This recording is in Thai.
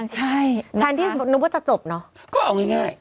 ใช่แทนที่นึกว่าจะจบเนอะก็เอาง่าย